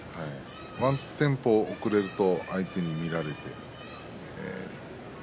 ワンテンポ遅れると相手に見られてしまう。